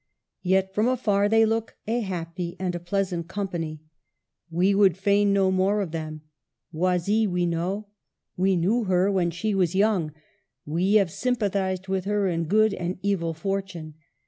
Yet from afar they look a happy and a pleasant company. We would fain know more of them. Oisille we know; we knew her when she was young ; we have sympathized with her in good and evil fortune.